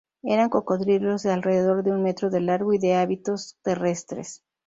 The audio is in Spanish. Eran cocodrilos de alrededor de un metro de largo y de hábitos terrestres.